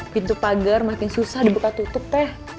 pintu pagar makin susah dibuka tutup teh